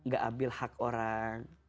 gak ambil hak orang